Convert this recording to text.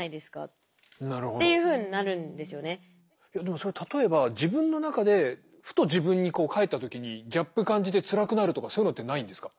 でもそれ例えば自分の中でふと自分に返った時にギャップ感じてつらくなるとかそういうのってないんですか？